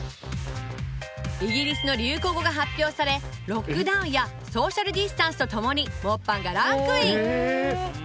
イギリスの流行語が発表されロックダウンやソーシャルディスタンスとともにモッパンがランクイン